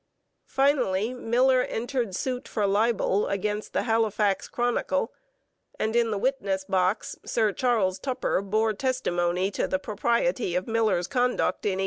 Finally, Miller entered suit for libel against the Halifax Chronicle, and in the witness box Sir Charles Tupper bore testimony to the propriety of Miller's conduct in 1866.